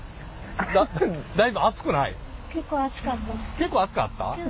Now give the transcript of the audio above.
結構熱かった？